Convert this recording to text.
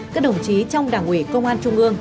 các đồng chí trong đảng ủy công an trung ương